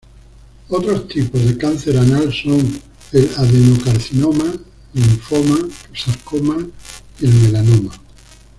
Otros tipos de cáncer anal son el adenocarcinoma, linfoma, sarcoma y el melanoma.